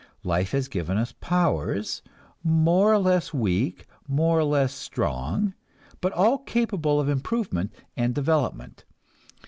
Life has given us powers, more or less weak, more or less strong, but all capable of improvement and development.